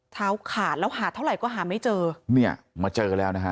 ขาดแล้วหาเท่าไหร่ก็หาไม่เจอเนี่ยมาเจอแล้วนะฮะ